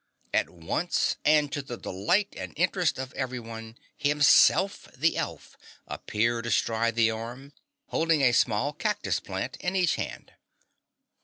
At once, and to the delight and interest of everyone, Himself, the elf, appeared astride the arm, holding a small cactus plant in each hand.